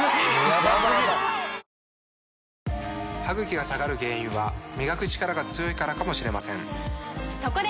歯ぐきが下がる原因は磨くチカラが強いからかもしれませんそこで！